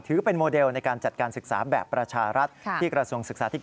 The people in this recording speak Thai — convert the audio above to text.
ถือเป็นโมเดลในการจัดการศึกษาแบบประชารัฐ